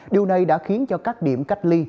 điều này đã khiến cho các điểm cách ly